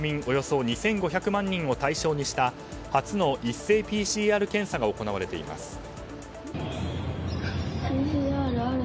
およそ２５００万人を対象にした初の一斉ＰＣＲ検査が行われています。